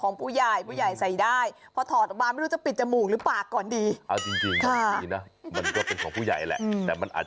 ต้องดูให้มันเหมาะกับตัวเอง